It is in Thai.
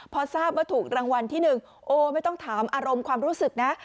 พอทราบว่าถูกรางวัลที่๑โอ้ไม่ต้องถามอารมณ์ความรู้สึกนะ